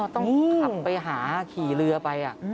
ต้องขับไปหาขี่เรือไป